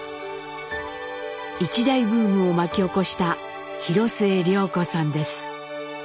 一大ブームを巻き起こした広末涼子さんです。